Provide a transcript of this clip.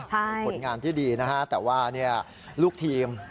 มีผลงานที่ดีนะฮะแต่ว่าลูกทีม